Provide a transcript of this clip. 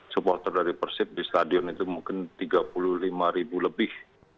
supporter dari persib di stadion itu mungkin tiga puluh lima ribu lebih